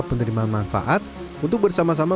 penerima manfaat untuk bersama sama